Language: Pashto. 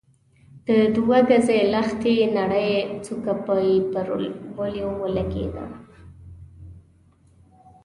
د دوه ګزۍ لښتې نرۍ څوکه به يې پر وليو ولګېده.